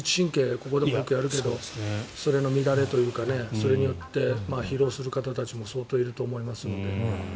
ここでもよくやるけどそれの乱れというかそれによって疲労する方たちも相当いると思いますのでね。